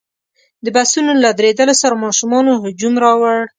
د بسونو له درېدلو سره ماشومانو هجوم راوړ.